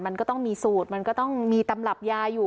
มันก็ต้องมีสูตรมันก็ต้องมีตำรับยาอยู่